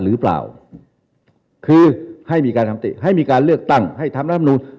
หรือเปล่าคือให้มีการทำติให้มีการเลือกตั้งให้ทำรัฐมนูล